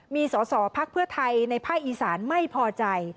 มีสอสอพักเพื่อไทยในภาคอีสานไม่พอใจ